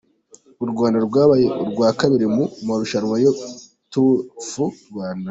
U Rwanda rwabaye urwakabiri mu marushanwa ya Tour fu Rwanda.